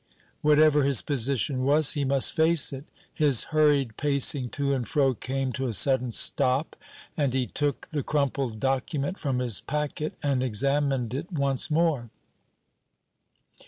Whatever his position was, he must face it. His hurried pacing to and fro came to a sudden stop, and he took the crumpled document from his packet, and examined it once more.